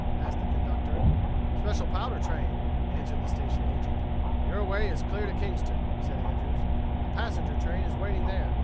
asked the conductor. "Special powder train," answered the station agent. "Your way is clear to Kingston," said Andrews. "The passenger train is waiting there.